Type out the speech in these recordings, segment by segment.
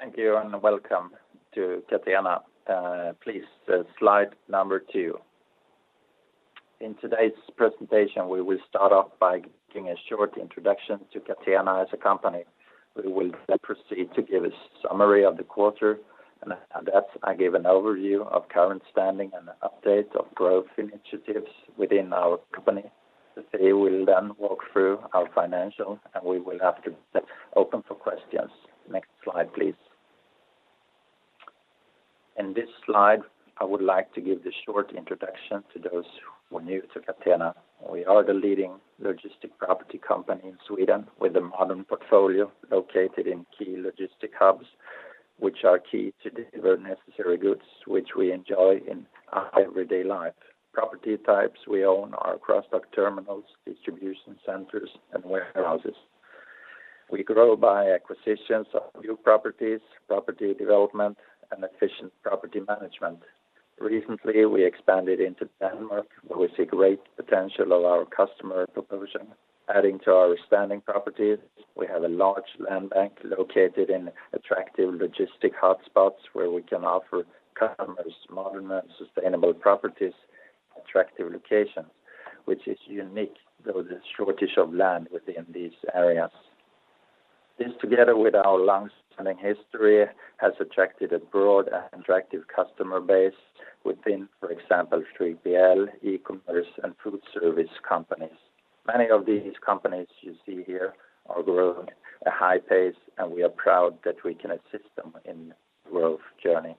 Thank you, and welcome to Catena. Please, slide number two. In today's presentation, we will start off by giving a short introduction to Catena as a company. We will then proceed to give a summary of the quarter, and after that, I give an overview of current standing and updates of growth initiatives within our company. Today, we'll then walk through our financials, and we will then open for questions. Next slide, please. In this slide, I would like to give the short introduction to those who are new to Catena. We are the leading logistics property company in Sweden with a modern portfolio located in key logistics hubs, which are key to deliver necessary goods which we enjoy in our everyday life. Property types we own are cross-dock terminals, distribution centers, and warehouses. We grow by acquisitions of new properties, property development, and efficient property management. Recently, we expanded into Denmark, where we see great potential of our customer proposition. Adding to our standing properties, we have a large land bank located in attractive logistics hotspots where we can offer customers modern and sustainable properties, attractive locations, which is unique through the shortage of land within these areas. This, together with our long-standing history, has attracted a broad and attractive customer base within, for example, 3PL, e-commerce, and food service companies. Many of these companies you see here are growing at a high pace, and we are proud that we can assist them in growth journey.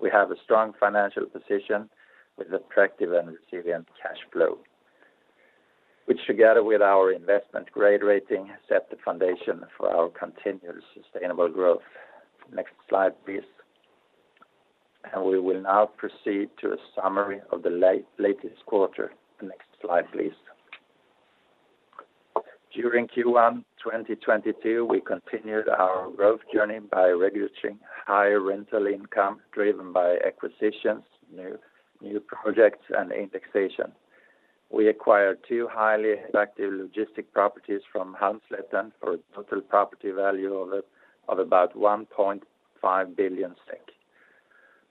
We have a strong financial position with attractive and resilient cash flow, which together with our investment grade rating, set the foundation for our continued sustainable growth. Next slide, please. We will now proceed to a summary of the latest quarter. Next slide, please. During Q1 2022, we continued our growth journey by recording higher rental income driven by acquisitions, new projects, and indexation. We acquired two highly effective logistics properties from Halmslätten for a total property value of about 1.5 billion.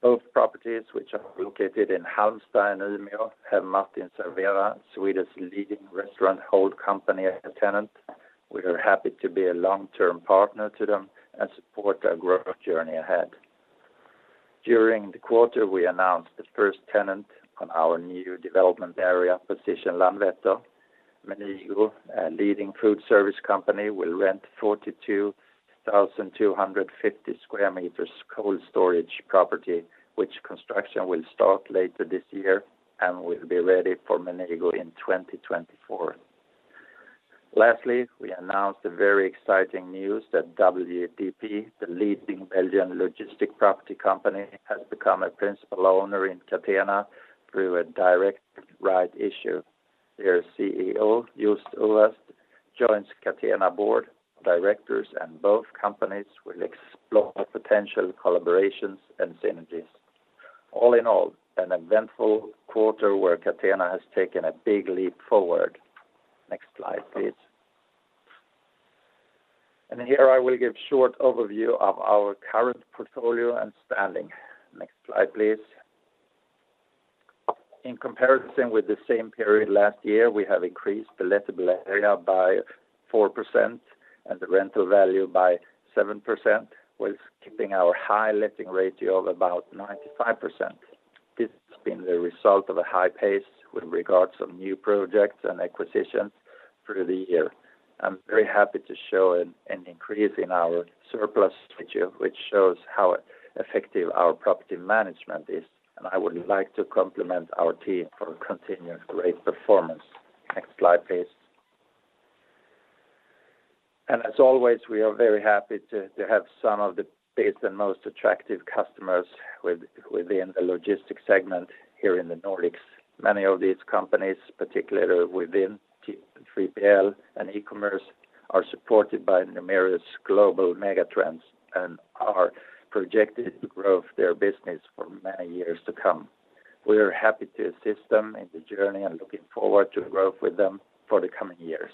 Both properties, which are located in Halmstad and Umeå, have Martin & Servera, Sweden's leading restaurant wholesaler and tenant. We are happy to be a long-term partner to them and support their growth journey ahead. During the quarter, we announced the first tenant on our new development area, Position Landvetter. Menigo, a leading food service company, will rent 42,250 square meters cold storage property, which construction will start later this year and will be ready for Menigo in 2024. Lastly, we announced the very exciting news that WDP, the leading Belgian logistic property company, has become a principal owner in Catena through a direct rights issue. Their CEO, Joost Uwents, joins Catena board of directors, and both companies will explore potential collaborations and synergies. All in all, an eventful quarter where Catena has taken a big leap forward. Next slide, please. Here I will give short overview of our current portfolio and standing. Next slide, please. In comparison with the same period last year, we have increased the lettable area by 4% and the rental value by 7%, while keeping our high letting ratio of about 95%. This has been the result of a high pace with regard to new projects and acquisitions through the year. I'm very happy to show an increase in our surplus ratio, which shows how effective our property management is, and I would like to compliment our team for continued great performance. Next slide, please. As always, we are very happy to have some of the biggest and most attractive customers within the logistics segment here in the Nordics. Many of these companies, particularly within 3PL and e-commerce, are supported by numerous global mega trends and are projected to grow their business for many years to come. We are happy to assist them in the journey and looking forward to growth with them for the coming years.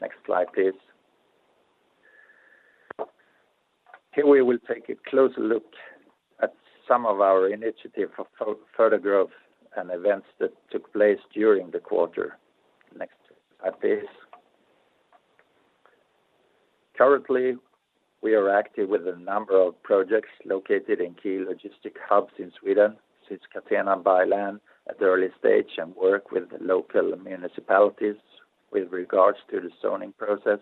Next slide, please. Here we will take a closer look at some of our initiative for further growth and events that took place during the quarter. Next slide, please. Currently, we are active with a number of projects located in key logistics hubs in Sweden. Since Catena buy land at the early stage and work with the local municipalities with regards to the zoning process,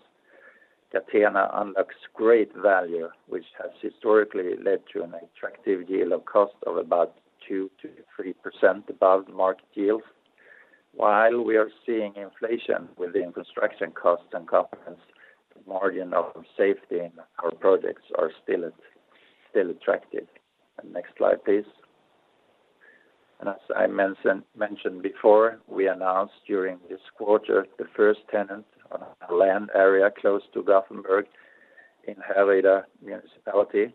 Catena unlocks great value, which has historically led to an attractive yield on cost of about 2%-3% above market yields. While we are seeing inflation within construction costs and confidence, the margin of safety in our projects are still attractive. Next slide, please. As I mentioned before, we announced during this quarter the first tenant on a land area close to Gothenburg in Härryda municipality,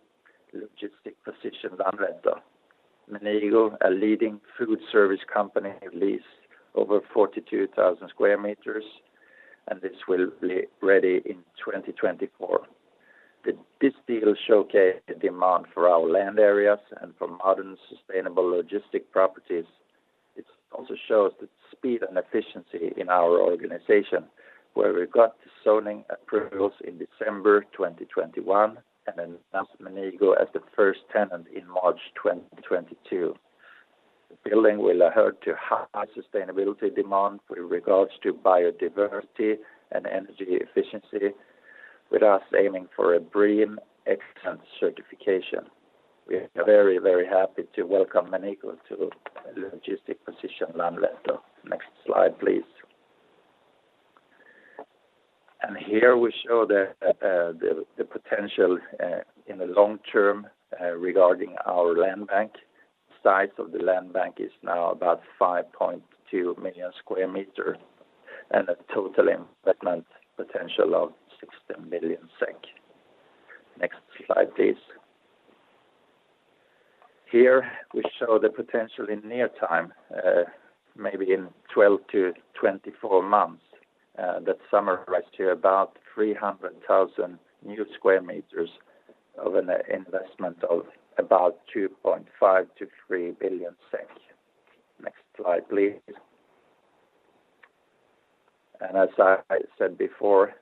Logistic Position Landvetter. Menigo, a leading food service company, lease over 42,000 square meters, and this will be ready in 2024. This deal showcases the demand for our land areas and for modern, sustainable logistics properties. It also shows the speed and efficiency in our organization, where we got the zoning approvals in December 2021 and then announced Menigo as the first tenant in March 2022. The building will adhere to high sustainability demand with regards to biodiversity and energy efficiency, with us aiming for a BREEAM Excellent certification. We are very, very happy to welcome Menigo to the Logistic Position Landvetter. Next slide, please. Here we show the potential in the long term regarding our land bank. Size of the land bank is now about 5.2 million square meters and a total investment potential of 60 million SEK. Next slide, please. Here we show the potential in near-term, maybe in 12-24 months, that sums up to about 300,000 new square meters of an investment of about 2.5 billion-3 billion SEK. Next slide, please. As I said before,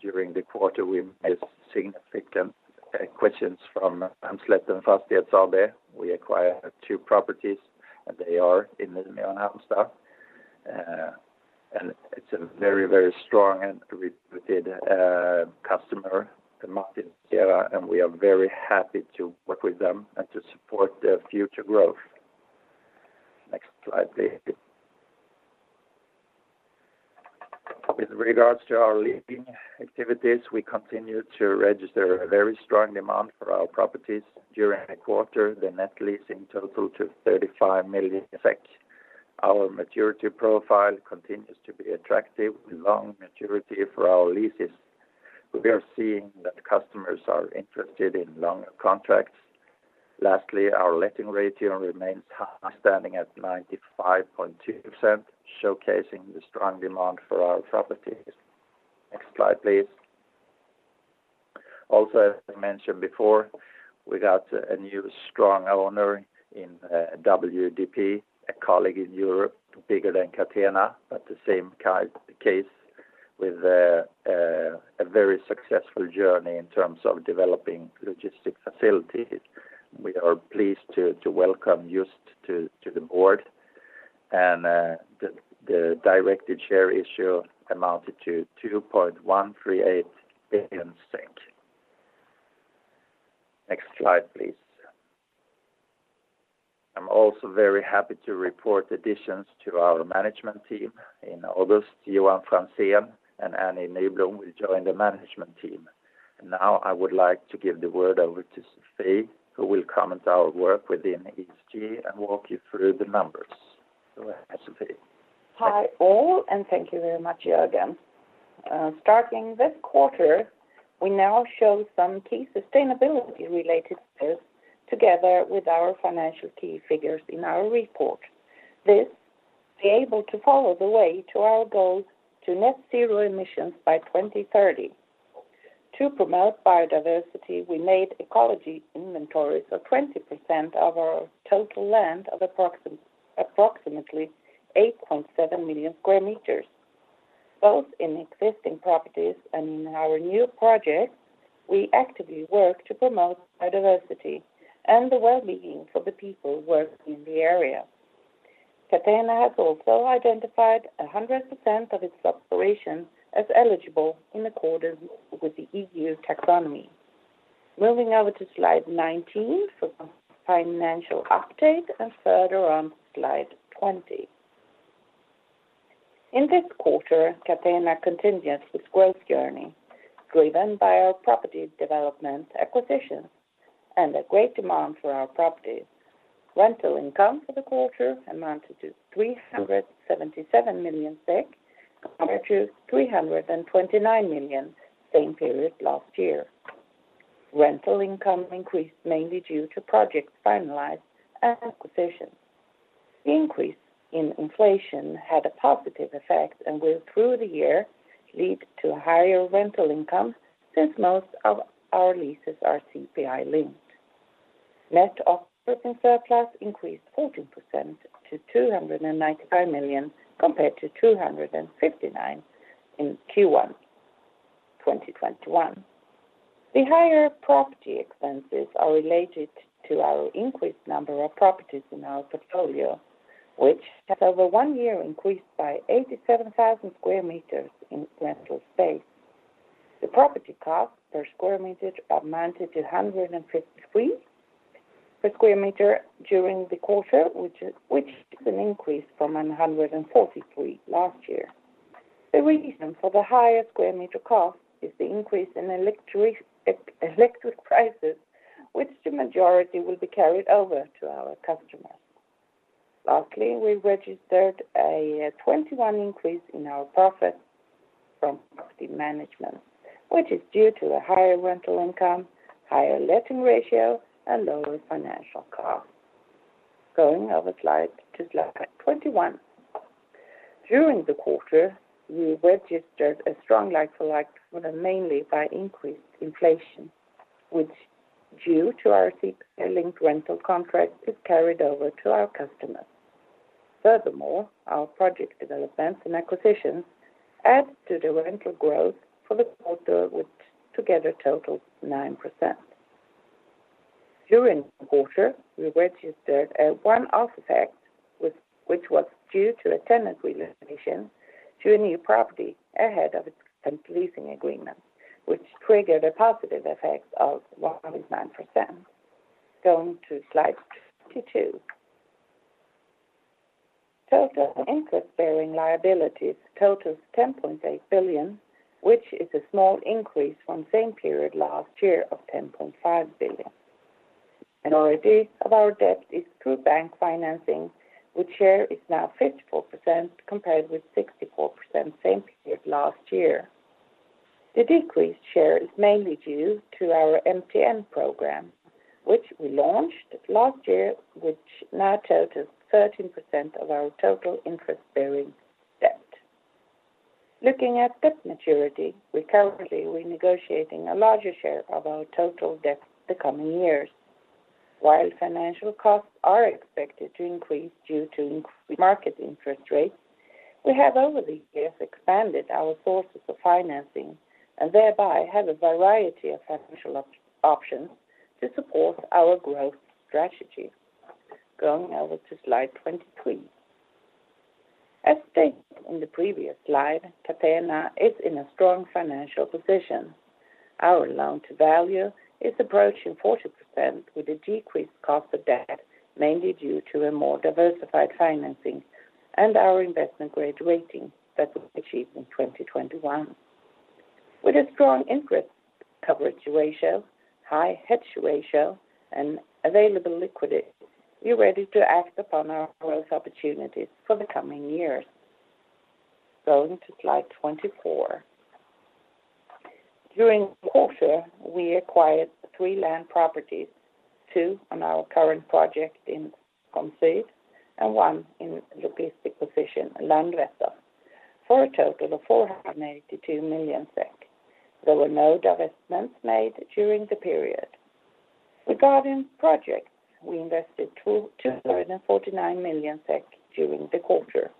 during the quarter, we made significant acquisitions from Halmslätten Fastigheter AB. We acquired two properties, and they are in the Mölndal and Halmstad. It is a very, very strong and reputable customer, the Martin & Servera, and we are very happy to work with them and to support their future growth. Next slide, please. With regards to our letting activities, we continue to register a very strong demand for our properties. During the quarter, net lettings totalled 35 million SEK. Our maturity profile continues to be attractive with long maturity for our leases. We are seeing that customers are interested in longer contracts. Lastly, our letting ratio remains high, standing at 95.2%, showcasing the strong demand for our properties. Next slide, please. As I mentioned before, we got a new strong owner in WDP, a colleague in Europe, bigger than Catena, but the same kind of case, with a very successful journey in terms of developing logistics facilities. We are pleased to welcome Joost to the board and the directed share issue amounted to 2.138 billion. Next slide, please. I'm also very happy to report additions to our management team. In August, Johan Franzén and Annie Nyblom will join the management team. Now, I would like to give the word over to Sofie, who will comment on our work within ESG and walk you through the numbers. Go ahead, Sofie. Hi, all, and thank you very much, Jörgen. Starting this quarter, we now show some key sustainability related goals together with our financial key figures in our report. This be able to follow the way to our goals to net zero emissions by 2030. To promote biodiversity, we made ecology inventories of 20% of our total land of approximately 8.7 million square meters. Both in existing properties and in our new projects, we actively work to promote biodiversity and the well-being for the people working in the area. Catena has also identified 100% of its operation as eligible in accordance with the EU taxonomy. Moving over to slide 19 for the financial update and further on slide 20. In this quarter, Catena continues its growth journey, driven by our property development acquisitions and a great demand for our properties. Rental income for the quarter amounted to 377 million SEK, compared to 329 million same period last year. Rental income increased mainly due to projects finalized and acquisitions. The increase in inflation had a positive effect and will, through the year, lead to higher rental income since most of our leases are CPI-linked. Net operating surplus increased 14% to 295 million, compared to 259 million in Q1 2021. The higher property expenses are related to our increased number of properties in our portfolio, which has over one year increased by 87,000 square meters in rental space. The property cost per square meter amounted to 153 per square meter during the quarter, which is an increase from 143 last year. The reason for the higher square meter cost is the increase in electric prices, which the majority will be carried over to our customers. Lastly, we registered a 21% increase in our profit from property management, which is due to a higher rental income, higher letting ratio, and lower financial cost. Going over to slide 21. During the quarter, we registered a strong like-for-like for the quarter mainly by increased inflation, which due to our CPI-linked rental contract is carried over to our customers. Furthermore, our project developments and acquisitions add to the rental growth for the quarter, which together total 9%. During the quarter, we registered a one-off effect which was due to a tenant relocation to a new property ahead of its current leasing agreement, which triggered a positive effect of 1.9%. Going to slide 22. Total interest-bearing liabilities totals 10.8 billion, which is a small increase from same period last year of 10.5 billion. The majority of our debt is through bank financing, which share is now 54% compared with 64% same period last year. The decreased share is mainly due to our MTN program, which we launched last year, which now totals 13% of our total interest-bearing debt. Looking at debt maturity, we currently renegotiating a larger share of our total debt the coming years. While financial costs are expected to increase due to increased market interest rates, we have over the years expanded our sources of financing and thereby have a variety of financial options to support our growth strategy. Going over to slide 23. As stated in the previous slide, Catena is in a strong financial position. Our loan to value is approaching 40% with a decreased cost of debt, mainly due to a more diversified financing and our investment-grade rating that was achieved in 2021. With a strong interest coverage ratio, high hedge ratio, and available liquidity, we are ready to act upon our growth opportunities for the coming years. Going to slide 24. During the quarter, we acquired three land properties, two on our current project in Kånna and one in Logistic Position Landvetter for a total of 482 million SEK. There were no divestments made during the period. Regarding projects, we invested 249 million SEK during the quarter.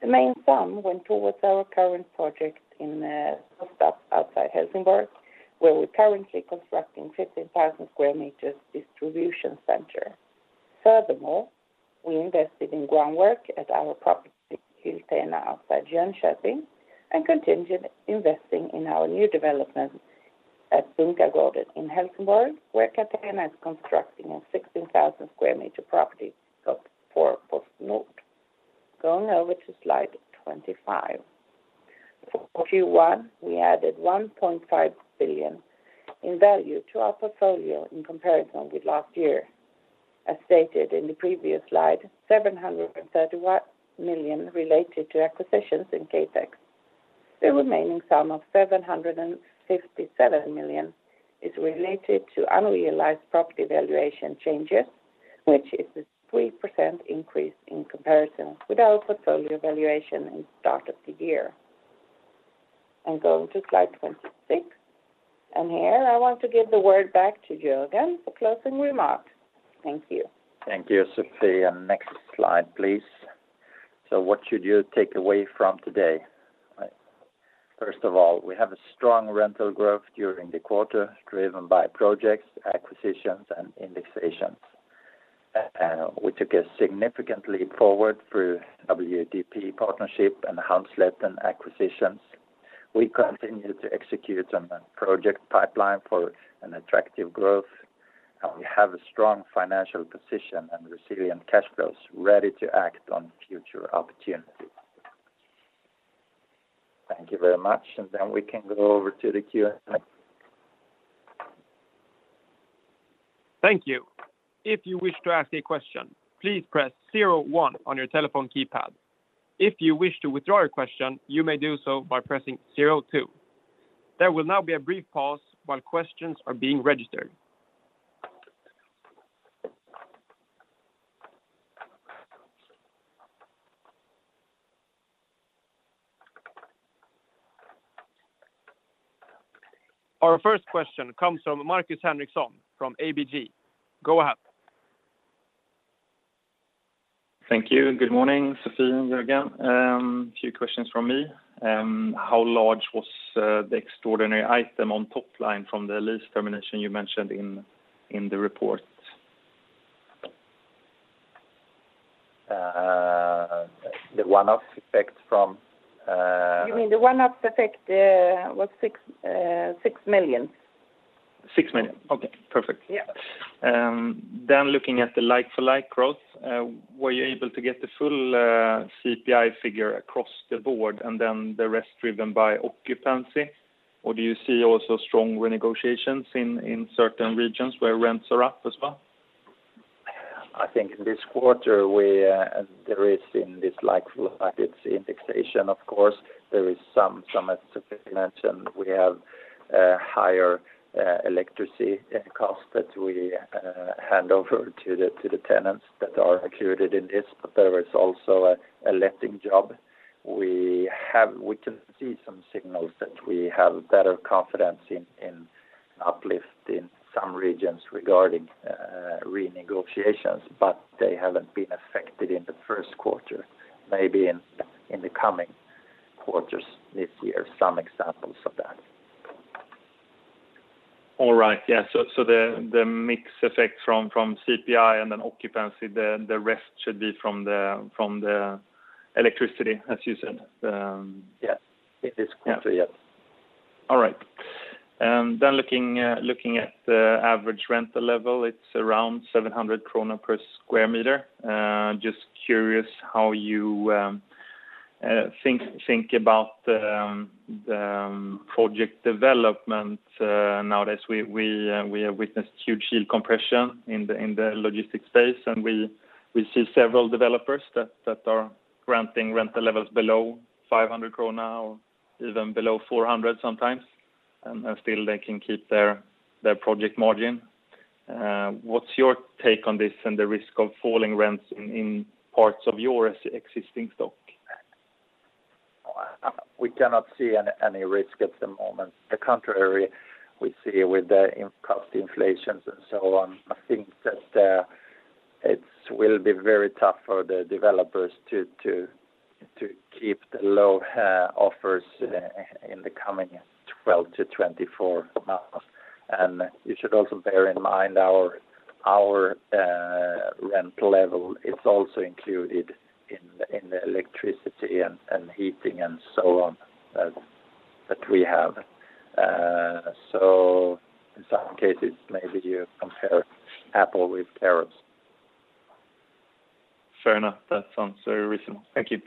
The main sum went towards our current project in Hövdala outside Helsingborg, where we're currently constructing 15,000 square meters distribution center. Furthermore, we invested in groundwork at our property Hyltena outside Jönköping and continued investing in our new development at Bunkargården in Helsingborg, where Catena is constructing a 16,000 sq m property built for PostNord. Going over to slide 25. For Q1, we added 1.5 billion in value to our portfolio in comparison with last year. As stated in the previous slide, 731 million related to acquisitions and CapEx. The remaining sum of 757 million is related to unrealized property valuation changes, which is a 3% increase in comparison with our portfolio valuation in start of the year. Going to slide 26. Here I want to give the word back to Jörgen for closing remarks. Thank you. Thank you, Sofie. Next slide, please. What should you take away from today? First of all, we have a strong rental growth during the quarter, driven by projects, acquisitions, and indexations. We took a significant leap forward through WDP partnership and Halmslätten acquisitions. We continue to execute on the project pipeline for an attractive growth, and we have a strong financial position and resilient cash flows ready to act on future opportunities. Thank you very much. We can go over to the Q&A. Thank you. If you wish to ask a question, please press zero one on your telephone keypad. If you wish to withdraw your question, you may do so by pressing zero two. There will now be a brief pause while questions are being registered. Our first question comes from Markus Henriksson from ABG. Go ahead. Thank you. Good morning, Sofie and Jörgen. A few questions from me. How large was the extraordinary item on top line from the lease termination you mentioned in the report? The one-off effect from You mean the one-off effect was 6 million. 6 million? Okay, perfect. Yeah. Looking at the like for like growth, were you able to get the full CPI figure across the board and then the rest driven by occupancy? Or do you see also strong renegotiations in certain regions where rents are up as well? I think in this quarter there is in this like full package indexation of course. There is some as you mentioned, we have higher electricity cost that we hand over to the to the tenants that are included in this. There is also a letting job. We have we can see some signals that we have better confidence in in uplift in some regions regarding renegotiations, but they haven't been affected in the first quarter. Maybe in the coming quarters this year, some examples of that. All right. Yeah. The mix effect from CPI and then occupancy, the rest should be from the electricity, as you said. Yeah. In this quarter, yeah. All right. Looking at the average rental level, it's around 700 krona per sq m. Just curious how you think about project development. Nowadays we have witnessed huge yield compression in the logistics space, and we see several developers that are granting rental levels below 500 krona or even below 400 sometimes, and still they can keep their project margin. What's your take on this and the risk of falling rents in parts of your existing stock? We cannot see any risk at the moment. The contrary we see with the cost inflation and so on, I think that it will be very tough for the developers to keep the low offers in the coming 12-24 months. You should also bear in mind our rent level is also included in the electricity and heating and so on that we have. In some cases, maybe you compare apple with carrots. Fair enough. That sounds very reasonable. Thank you.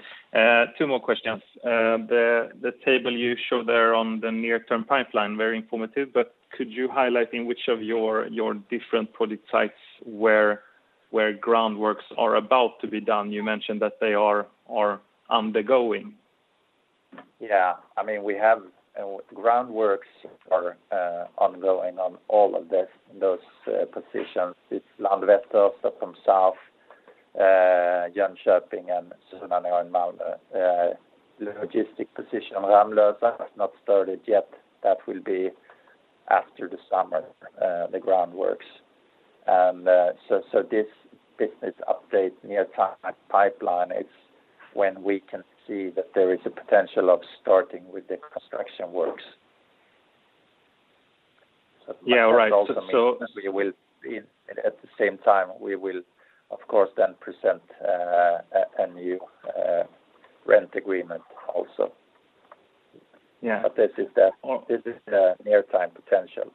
Two more questions. The table you showed there on the near-term pipeline, very informative, but could you highlight in which of your different project sites where groundworks are about to be done? You mentioned that they are undergoing. Yeah. I mean, we have groundworks are ongoing on all of those positions. It's Landvetter, Stockholm South, Jönköping, and Södertälje and Malmö. The logistic position on Ramlösa has not started yet. That will be after the summer, the groundworks. This business update near-term pipeline, it's when we can see that there is a potential of starting with the construction works. Yeah. Right. We will at the same time, of course then present a new rent agreement also. Yeah. This is the Oh. This is the near-term potential.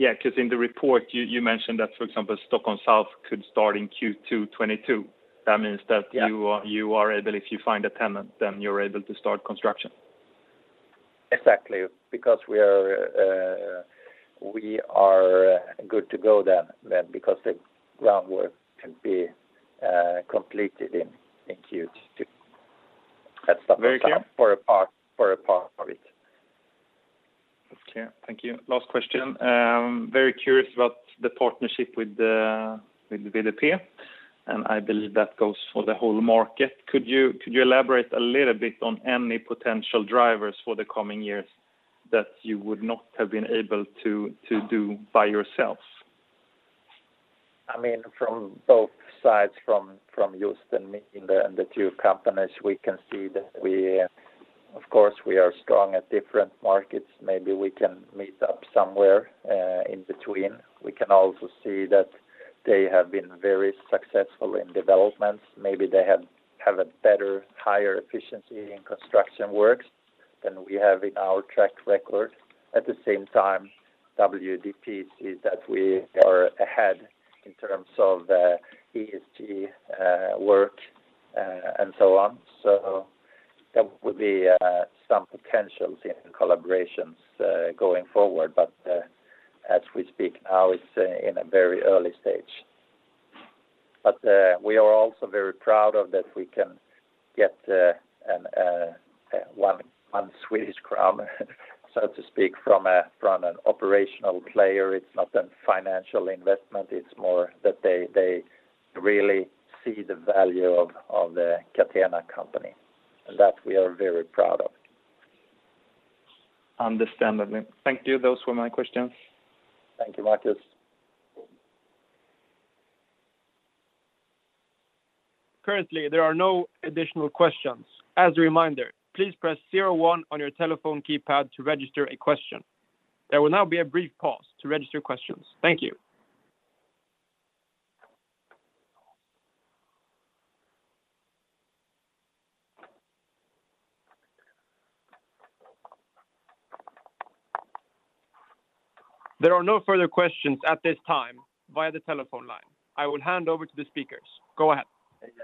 Yeah. Because in the report you mentioned that, for example, Stockholm South could start in Q2 2022. That means that. Yeah. You are able if you find a tenant, then you're able to start construction. Exactly. Because we are good to go then because the groundwork can be completed in Q2 at Stockholm South. Very clear. for a part of it. Okay. Thank you. Last question. Very curious about the partnership with WDP, and I believe that goes for the whole market. Could you elaborate a little bit on any potential drivers for the coming years that you would not have been able to do by yourselves? I mean, from both sides, from Joost Uwents and me in the two companies, we can see that we of course are strong at different markets. Maybe we can meet up somewhere in between. We can also see that they have been very successful in developments. Maybe they have a better, higher efficiency in construction works than we have in our track record. At the same time, WDP sees that we are ahead in terms of ESG work and so on. There would be some potentials in collaborations going forward. As we speak now, it's in a very early stage. We are also very proud that we can get 1 Swedish crown, so to speak, from an operational player. It's not a financial investment, it's more that they really see the value of the Catena company. That we are very proud of. Understandably. Thank you. Those were my questions. Thank you, Marcus. Currently, there are no additional questions. As a reminder, please press zero-one on your telephone keypad to register a question. There will now be a brief pause to register questions. Thank you. There are no further questions at this time via the telephone line. I will hand over to the speakers. Go ahead.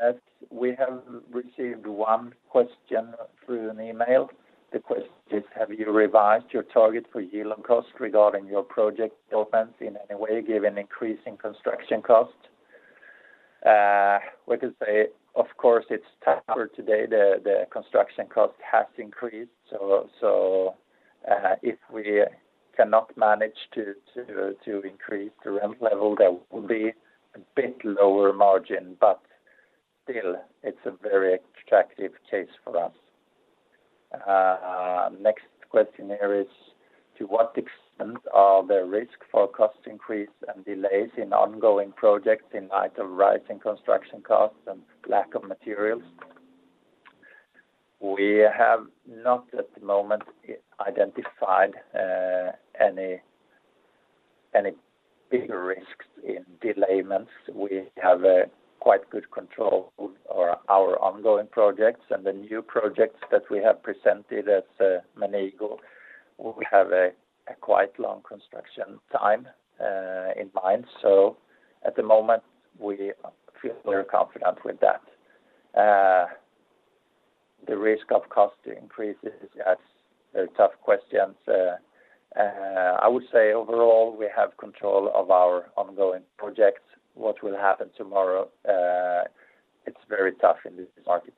Yes. We have received one question through an email. The question is, have you revised your target for yield on cost regarding your project development in any way, given increasing construction costs? We could say, of course, it's tougher today. The construction cost has increased. If we cannot manage to increase the rent level, there will be a bit lower margin, but still, it's a very attractive case for us. Next question here is, to what extent are the risk for cost increase and delays in ongoing projects in light of rising construction costs and lack of materials? We have not at the moment identified any bigger risks in delays. We have a quite good control over our ongoing projects and the new projects that we have presented at Menigo. We have a quite long construction time in mind. At the moment, we feel very confident with that. The risk of cost increases is. That's a tough question. I would say overall, we have control of our ongoing projects. What will happen tomorrow? It's very tough in this market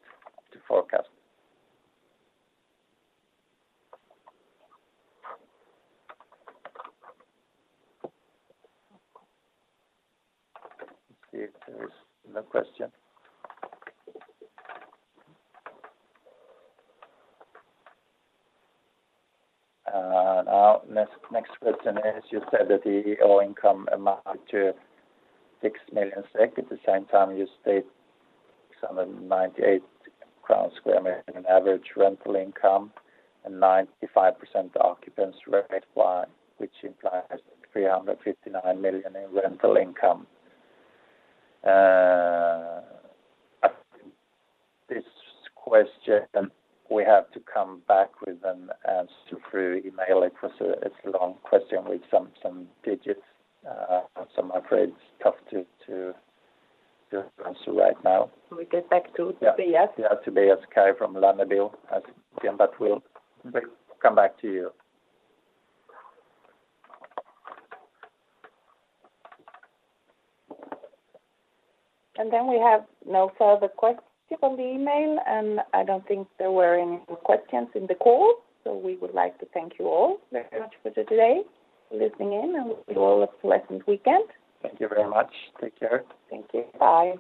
to forecast. Let's see if there is another question. Now, the next question is, you said that the NOI amounts to 6 million SEK. At the same time, you state some 98 crown square meter in average rental income and 95% occupancy rate require, which implies 359 million in rental income. This question we have to come back with an answer through email. It's a long question with some digits. I'm afraid it's tough to answer right now. We get back to Tobias. Yeah. Yeah. Tobias Kaj from Handelsbanken has. Then we have no further question on the email, and I don't think there were any questions in the call. We would like to thank you all very much for today for listening in, and we all have a pleasant weekend. Thank you very much. Take care. Thank you. Bye.